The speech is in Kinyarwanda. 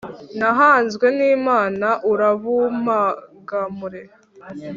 Nahanzwe n’Imana urabumpangamure .